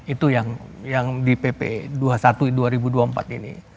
itu yang di pp dua puluh satu dua ribu dua puluh empat ini